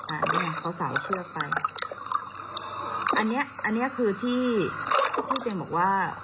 อ่ะเนี้ยสาวสาวเชือกไปอันเนี้ยอันเนี้ยคือที่ที่เจนบอกว่า